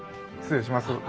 失礼します。